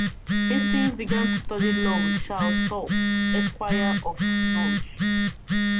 Hastings began to study law with Charles Thorpe, Esquire, of Norwich.